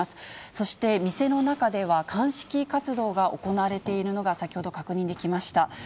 そして、店の中では、鑑識活動が行われているのが先ほど、確認できました。